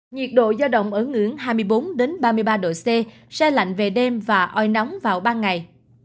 nhiệt độ giao động ở ngưỡng hai mươi bốn ba mươi ba độ c xe lạnh về đêm và oi nóng vào ban ngày